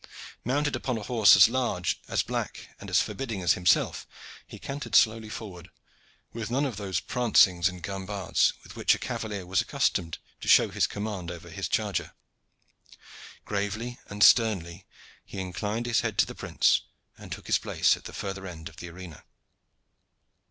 Mounted upon a horse as large, as black, and as forbidding as himself, he cantered slowly forward, with none of those prancings and gambades with which a cavalier was accustomed to show his command over his charger. Gravely and sternly he inclined his head to the prince, and took his place at the further end of the arena.